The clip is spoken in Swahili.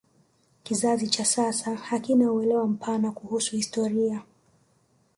kizazi cha sasa hakina uelewa mpana kuhusu historia